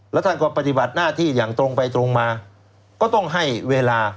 แล้วท่านก็ปฏิบัติหน้าที่อย่างตรงไปตรงมาก็ต้องให้เวลา